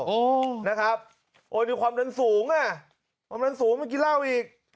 โอ้โฮนะครับโอ้มีความดันสูงความดันสูงเมื่อกี้เล่าอีก